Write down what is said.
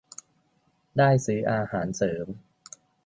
ได้ซื้ออาหารเสริม